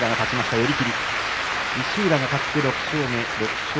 寄り切り、石浦が勝って６勝目。